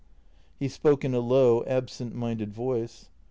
He spoke in a low, absent minded voice.